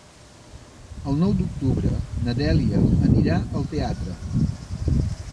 El nou d'octubre na Dèlia anirà al teatre.